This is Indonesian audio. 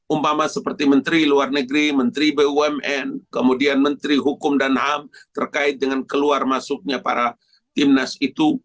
umpama seperti menteri luar negeri menteri bumn kemudian menteri hukum dan ham terkait dengan keluar masuknya para timnas itu